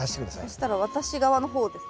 そしたら私側の方ですね。